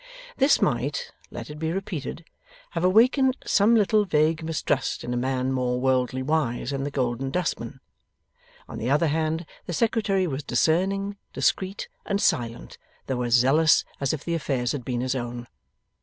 This might let it be repeated have awakened some little vague mistrust in a man more worldly wise than the Golden Dustman. On the other hand, the Secretary was discerning, discreet, and silent, though as zealous as if the affairs had been his own.